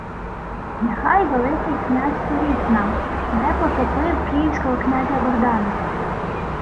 — Нехай Великий князь повість нам, де потупив київського князя Богдана.